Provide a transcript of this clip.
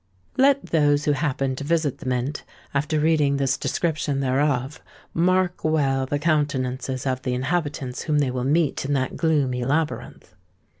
Let those who happen to visit the Mint, after reading this description thereof, mark well the countenances of the inhabitants whom they will meet in that gloomy labyrinth.